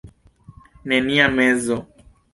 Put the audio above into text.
Nenia mezo.